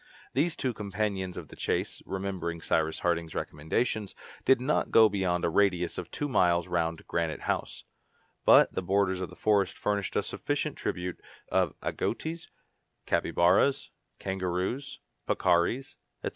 These two companions of the chase, remembering Cyrus Harding's recommendations, did not go beyond a radius of two miles round Granite House; but the borders of the forest furnished a sufficient tribute of agouties, capybaras, kangaroos, peccaries, etc.